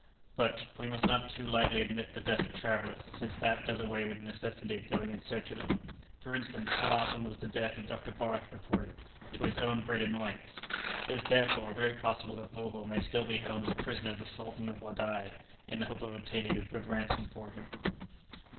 But, we must not too lightly admit the death of travellers, since that does away with the necessity of going in search of them. For instance, how often was the death of Dr. Barth reported, to his own great annoyance! It is, therefore, very possible that Vogel may still be held as a prisoner by the Sultan of Wadai, in the hope of obtaining a good ransom for him.